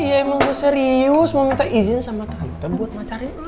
ya emang gue serius mau minta izin sama kata buat macarnya